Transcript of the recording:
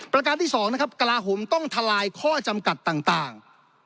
ประการที่๒นะครับกระลาฮมต้องทลายข้อจำกัดต่าง